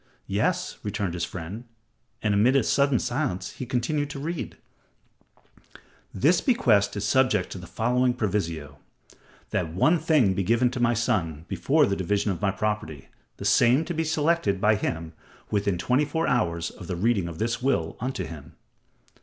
"Yes," returned his friend, and amid a sudden silence, he continued to read: "This bequest is subject to the following proviso: that one thing be given to my son before the division of my property, the same to be selected by him within twenty four hours of the reading of this will unto him."